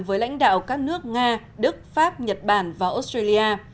với lãnh đạo các nước nga đức pháp nhật bản và australia